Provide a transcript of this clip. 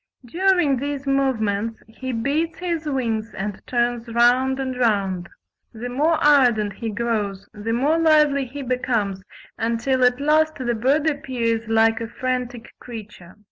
During these movements he beats his wings and turns round and round. The more ardent he grows the more lively he becomes, until at last the bird appears like a frantic creature."